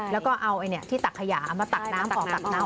แล้วก็เอาไอ้เนี่ยที่ตักขยามาตักน้ำออกตักน้ำออก